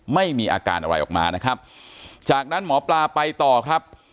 ไม่มีอาการอะไรออกมานะครับจากนั้นหมอปลาไปต่อครับ